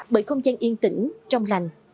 bởi không gian yên tĩnh trong lành